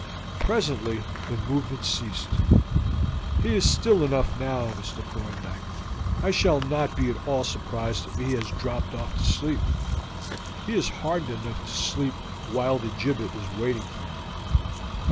Presently the movement ceased. "He is still enough now, Mr. Thorndyke. I should not be at all surprised if he has dropped off to sleep. He is hardened enough to sleep while the gibbet was waiting for him."